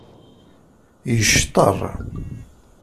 Yecṭeṛ.